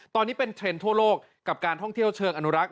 ตอนนี้เป็นเทรนด์ทั่วโลกกับการท่องเที่ยวเชิงอนุรักษ